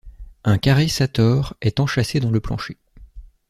Un carré Sator est enchâssé dans le plancher.